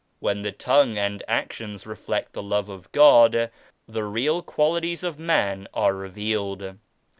When the tongue and actions reflect the Love of Godj the real qualities of man are revealed.